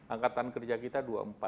angkatan kerja kita dua puluh empat